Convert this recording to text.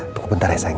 tunggu bentar ya sayang